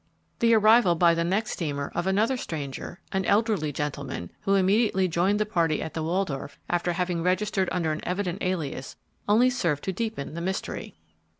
The arrival by the next steamer of another stranger, an elderly gentleman, who immediately joined the party at the Waldoff, after having registered under an evident alias, only served to deepen the mystery.